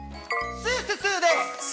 スーススーです。